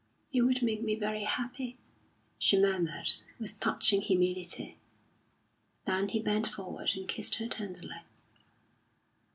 "It would make me very happy," she murmured, with touching humility. Then he bent forward and kissed her tenderly.